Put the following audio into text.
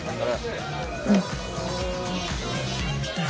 うん。